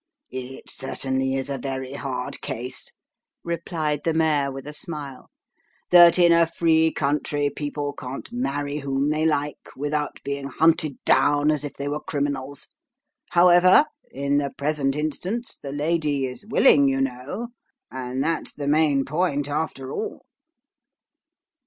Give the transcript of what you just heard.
" It certainly is a very hard case," replied the mayor with a smile, " that, in a free country, people can't marry whom they like, without being hunted down as if they were criminals. However, in the present instance the lady is willing, you know, and that's the main point, after all."